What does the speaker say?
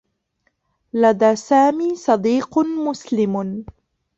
لدى سامي صديق مسلم.